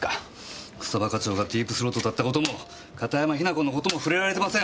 草葉課長がディープ・スロートだった事も片山雛子の事も触れられてません。